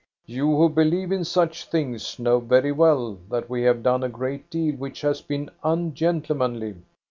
" You who believe in such things know very well that we have done a great deal which has been un gentlemanly.